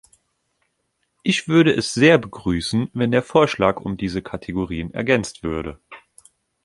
Ich würde es sehr begrüßen, wenn der Vorschlag um diese Kategorien ergänzt würde.